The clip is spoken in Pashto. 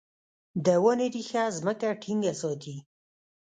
د ونې ریښه ځمکه ټینګه ساتي.